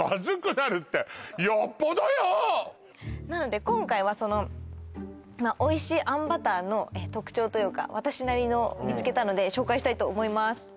なので今回はそのおいしいあんバターの特徴というか私なりの見つけたので紹介したいと思います